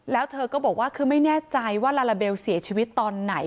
แล้วเธอก็บอกว่าคือไม่แน่ใจว่าลาลาเบลเสียชีวิตตอนไหน